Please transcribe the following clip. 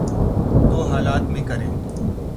تو حالات میں کریں۔